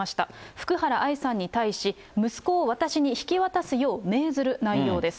福原愛さんに対し、息子を私に引き渡すよう命ずる内容です。